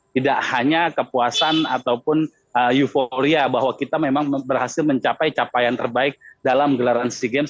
tidak hanya kepuasan ataupun euforia bahwa kita memang berhasil mencapai capaian terbaik dalam gelaran sea games